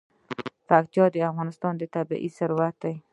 پکتیا د افغانستان طبعي ثروت دی.